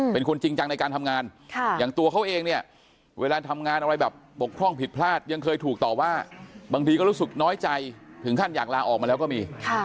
เป็นคนจริงจังในการทำงานอย่างตัวเขาเองเนี่ยเวลาทำงานอะไรแบบบกพร่องผิดพลาดยังเคยถูกต่อว่าบางทีก็รู้สึกน้อยใจถึงขั้นอยากลาออกมาแล้วก็มี